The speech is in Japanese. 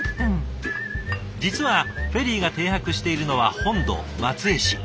実はフェリーが停泊しているのは本土松江市。